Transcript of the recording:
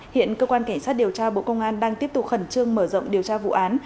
hiện cơ quan cảnh sát điều tra bộ công an đang tiếp tục khẩn trương mở rộng điều tra vụ án